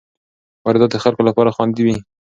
واردات د خلکو لپاره خوندي وي.